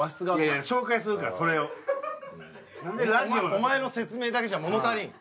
お前の説明だけじゃ物足りん。